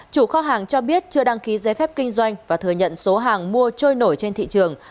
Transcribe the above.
chủ kho hàng cho biết chưa đăng ký giấy phép kinh doanh và thừa nhận số hàng mua trôi nổi trên thị trường